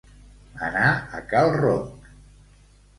Anar a cal Ronc.